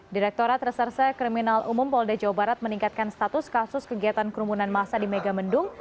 direkturat reserse kriminal umum polda jawa barat meningkatkan status kasus kegiatan kerumunan masa di megamendung